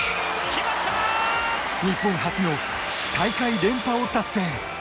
日本初の大会連覇を達成。